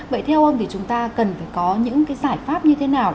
vậy theo ông thì chúng ta cần phải có những cái giải pháp như thế nào